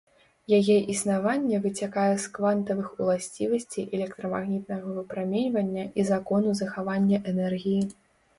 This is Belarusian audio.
Яе існаванне выцякае з квантавых уласцівасцей электрамагнітнага выпраменьвання і закону захавання энергіі.